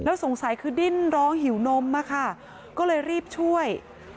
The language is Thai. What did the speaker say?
สงสัยคือดิ้นร้องหิวนมมาค่ะก็เลยรีบช่วย